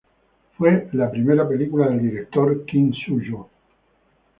Fue la primera película del director Kim Sung-ho.